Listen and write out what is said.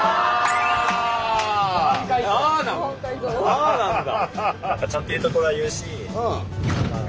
ああなんだ。